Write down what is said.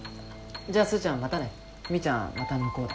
じゃあスーちゃんまたね。みーちゃんまた向こうで。